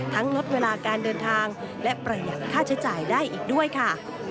ลดเวลาการเดินทางและประหยัดค่าใช้จ่ายได้อีกด้วยค่ะ